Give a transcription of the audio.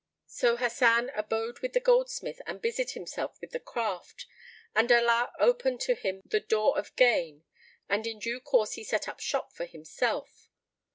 So Hasan abode with the goldsmith and busied himself with the craft; and Allah opened to him the door of gain and in due course he set up shop for himself.